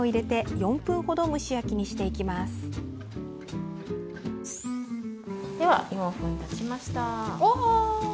４分たちました。